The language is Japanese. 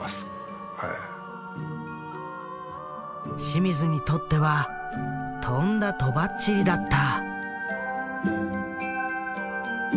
清水にとってはとんだとばっちりだった。